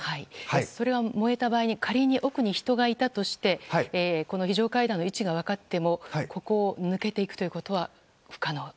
それは燃えた場合に仮に奥に人がいたとしてこの非常階段の位置が分かってもここを抜けていくことは不可能と。